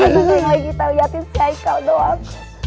lalu yang lagi kita liatin si haikal doang